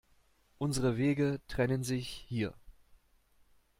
Unsere Wege trennen sich hier.